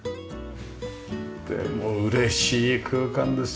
でも嬉しい空間ですよ。